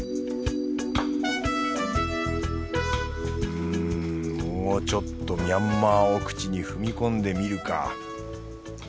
うんもうちょっとミャンマー奥地に踏み込んでみるか。